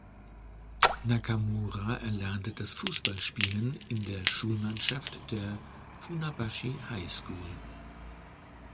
Nakamura erlernte das Fußballspielen in der Schulmannschaft der "Funabashi High School".